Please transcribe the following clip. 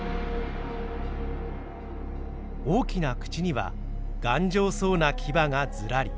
大きな口には頑丈そうな牙がずらり。